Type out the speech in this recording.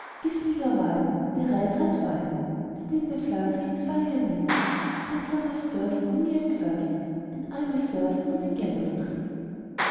"Give me your wine, the red, red wine, That in the flask hangs by your knee! Ten summers burst on me accurst, And I'm athirst on the gallows tree."